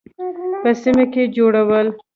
په سیمو کې جوړول.